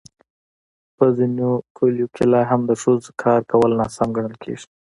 په ځینو کلیو کې لا هم د ښځو کار کول ناسم ګڼل کېږي.